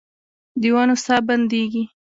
د ونو ساه بندیږې